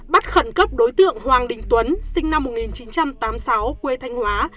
bắt khẩn cấp đối tượng hoàng đình tuấn sinh năm một nghìn chín trăm tám mươi sáu quê thanh hóa